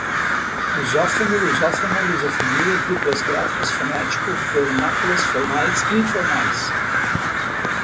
lusófono, lusófona, lusofonia, duplas grafias, fonético, vernáculas, formais, informais